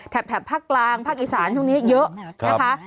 แถบภาคกลางภาคอีสานช่วงนี้เยอะนะคะ